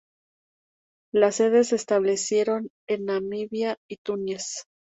Las sedes se establecieron en Namibia y Túnez.